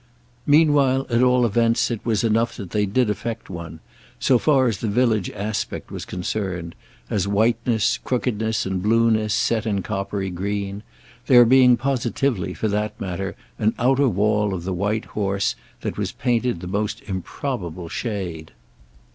Meanwhile at all events it was enough that they did affect one—so far as the village aspect was concerned—as whiteness, crookedness and blueness set in coppery green; there being positively, for that matter, an outer wall of the White Horse that was painted the most improbable shade.